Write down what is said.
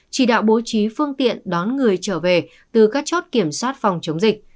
chỉ đạo bố trí phương tiện đón người trở về từ các chốt kiểm soát phòng chống dịch